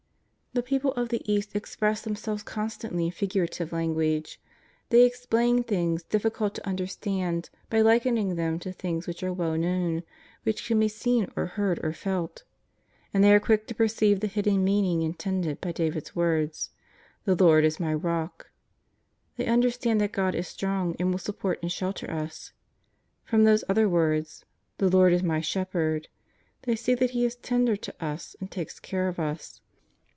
The people of the East express themselves constantly in figurative language. They explain things difficult to understand by likening them to things which are well known, which can be seen or heard or felt. And they are quick to perceive the hidden meaning intended. By David's words: " The Lord is my rock," they un derstand that God is strong and will support and shelter us. From those other words :'^ The Lord is my Shep herd," they see that He is tender to us and takes care of us.